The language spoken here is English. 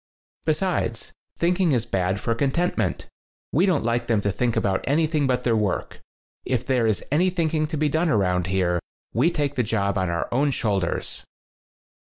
"Besides, thinking is bad for con tentment. We don't like them to think about anything but their work. If there is any thinking to be done around here, we take the job on our own shoulders."